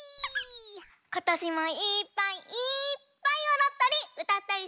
ことしもいっぱいいっぱいおどったりうたったりしようね。